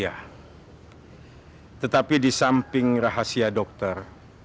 ya tetapi di samping rahasia dokter